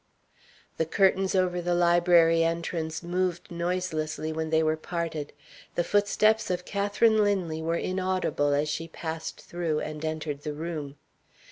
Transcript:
The curtains over the library entrance moved noiselessly when they were parted. The footsteps of Catherine Linley were inaudible as she passed through, and entered the room.